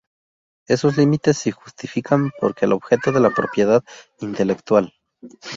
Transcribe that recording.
Esos límites se justifican porque el objeto de la propiedad intelectual